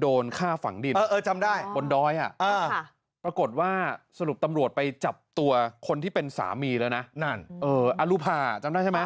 โดนฆ่าฝังดินจำได้บนดอยปรากฏว่าสรุปตำรวจไปจับตัวคนที่เป็นสามีแล้วนะนั่นอรุภาจำได้ใช่ไหม